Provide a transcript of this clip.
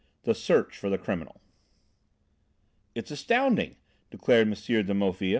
VIII THE SEARCH FOR THE CRIMINAL "It's astounding!" declared M. de Maufil.